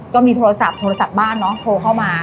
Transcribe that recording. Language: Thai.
ก็มีโทรศัพท์โทรศัพท์บ้านเนาะโทรเข้ามา